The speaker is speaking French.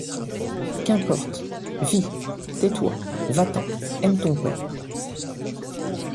Qu’importe ! Vis. Tais-toi. Va-t’en. Aime ton père